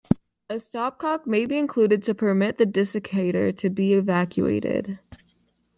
A stopcock may be included to permit the desiccator to be evacuated.